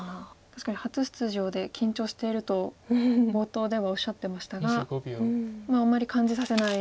確かに初出場で緊張していると冒頭ではおっしゃってましたがあんまり感じさせない。